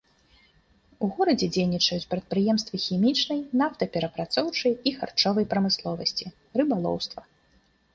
У горадзе дзейнічаюць прадпрыемствы хімічнай, нафтаперапрацоўчай і харчовай прамысловасці, рыбалоўства.